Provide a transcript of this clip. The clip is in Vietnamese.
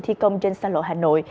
thi công trên xa lộ hà nội